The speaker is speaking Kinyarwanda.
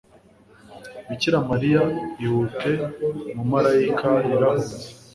Bikira Mariya Ihute Umumarayika yarahunze